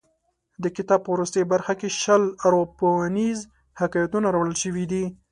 د کتاب په وروستۍ برخه کې شل ارواپوهنیز حکایتونه راوړل شوي دي.